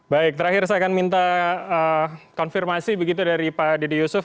baik terakhir saya akan minta konfirmasi begitu dari pak dede yusuf